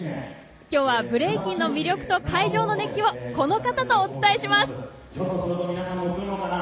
今日は、ブレイキンの魅力と会場の熱気をこの方とお伝えします。